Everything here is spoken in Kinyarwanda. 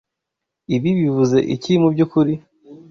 Ibi bivuze iki mubyukuri?